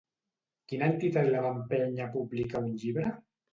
Quina entitat la va empènyer a publicar un llibre?